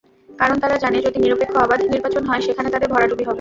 কারণ তারা জানে, যদি নিরপেক্ষ, অবাধ নির্বাচন হয়, সেখানে তাদের ভরাডুবি হবে।